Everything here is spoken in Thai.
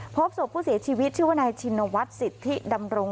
พบศพผู้เสียชีวิตชื่อว่านายชินวัฒน์สิทธิดำรง